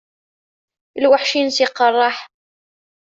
Lweḥc-ines iqerreḥ.